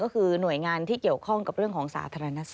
ก็คือหน่วยงานที่เกี่ยวข้องกับเรื่องของสาธารณสุข